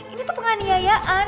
ini tuh penganiayaan